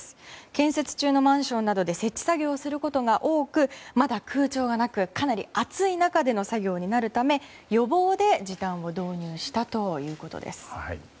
建設中のマンションなどで設置作業をすることが多くまだ空調がなくかなり暑い中での作業になるため予防で、時短を導入したということです。